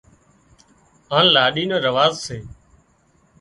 هانَ لاڏِي نا رواز سي